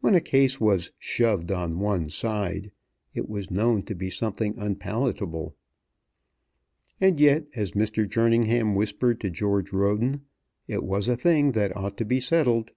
When a case was "shoved on one side" it was known to be something unpalateable. And yet, as Mr. Jerningham whispered to George Roden, it was a thing that ought to be settled.